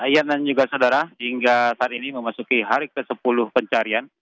ia dan juga saudara hingga saat ini memasuki hari ke sepuluh pencarian